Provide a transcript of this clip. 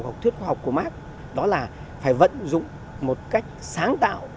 học thuyết khoa học của mark đó là phải vận dụng một cách sáng tạo